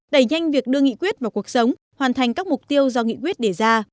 đẩy nhanh việc đưa nghị quyết vào cuộc sống hoàn thành các mục tiêu do nghị quyết đề ra